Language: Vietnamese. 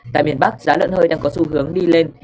tại miền bắc giá lợn hơi đang có xu hướng đi lên